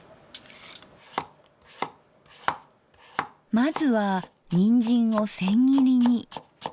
まずはにんじんを千切りに。